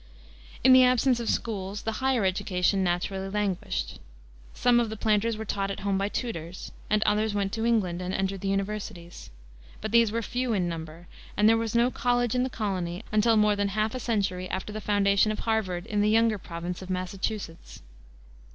In the absence of schools the higher education naturally languished. Some of the planters were taught at home by tutors, and others went to England and entered the universities. But these were few in number, and there was no college in the colony until more than half a century after the foundation of Harvard in the younger province of Massachusetts.